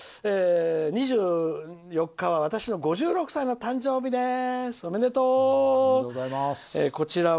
「２４日は私の５６歳の誕生日です」。